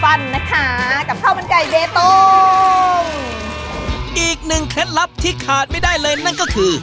ฟันนะคะกับข้าวมันไก่เบตงอีกหนึ่งเคล็ดลับที่ขาดไม่ได้เลยนั่นก็คือ